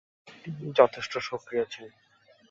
তিনি যথেষ্ট সক্রিয় ছিলেন।